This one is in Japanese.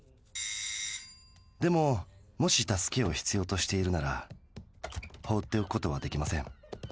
でももし助けを必要としているなら放っておくことはできません。